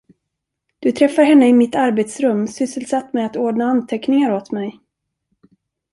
Du träffar henne i mitt arbetsrum, sysselsatt med att ordna anteckningar åt mig.